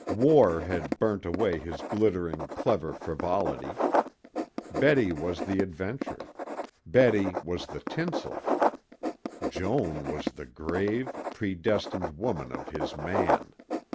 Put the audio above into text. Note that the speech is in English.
War had burnt away his glittering, clever frivolity. Betty was the adventure, Betty was the tinsel; Joan was the grave, predestined woman of his man.